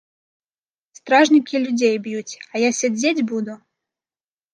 Стражнікі людзей б'юць, а я сядзець буду?